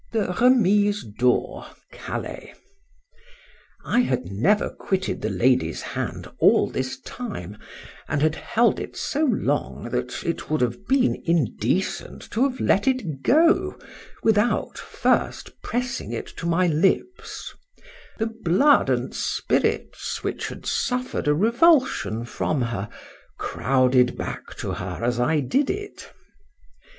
THE REMISE DOOR. CALAIS. I HAD never quitted the lady's hand all this time, and had held it so long, that it would have been indecent to have let it go, without first pressing it to my lips: the blood and spirits, which had suffered a revulsion from her, crowded back to her as I did it.